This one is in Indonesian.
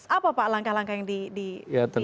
apa pak langkah langkah yang diambil